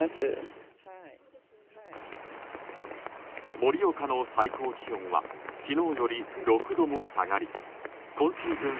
盛岡の最高気温は昨日より６度も下がり今シーズン